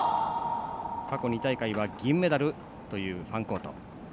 過去２大会は銀メダルというファンコート。